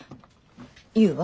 言うわ。